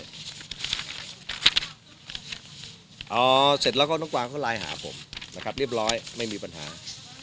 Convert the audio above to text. เอาเสร็จแล้วก็น้องกวางเขาไลน์หาผมนะครับเรียบร้อยไม่มีปัญหา